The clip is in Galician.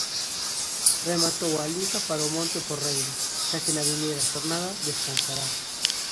Rematou a liga para o Monte Porreiro, xa que na vindeira xornada descansará.